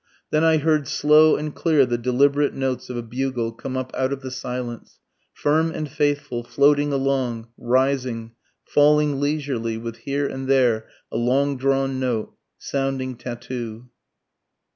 Then I heard slow and clear the deliberate notes of a bugle come up out of the silence ... firm and faithful, floating along, rising, falling leisurely, with here and there a long drawn note.... sounding tattoo.